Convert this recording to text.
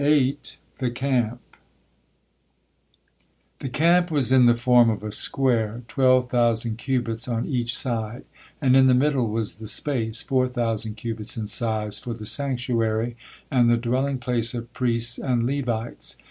THE CAMP The camp was in the form of a square, twelve thousand cubits on each side, and in the middle was the space, four thousand cubits in size, for the sanctuary, and the dwelling place of priests and Levites.